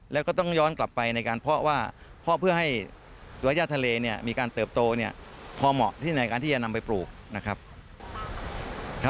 และก็ต้องย้อนกลับไปเพื่อให้ระยะทะเลมีการเติบโตพอเหมาะในการที่จะนำไปปลูก